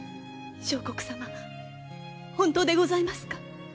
相国様本当でございますか？